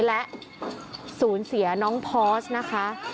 และสูญเสียน้องพอร์สนะคะ